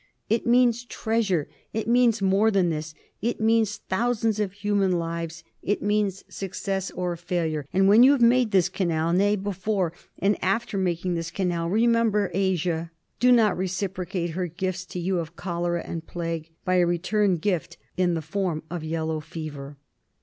It means treasure; it means more than this, it means thousands of human lives; it means suc cess or failure. And when you have made this canal, nay, before and while making this canal, remember AN UNSOLVED PROBLEM. 217 Asia. Do not reciprocate her gifts to you of cholera and plague by a return gift in the form of yellow fever.